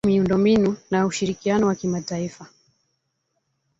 elimu miundo mbinu na ushirikiano wa kimataifa